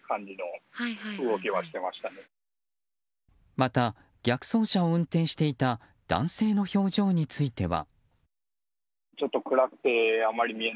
また、逆走車を運転していた男性の表情については。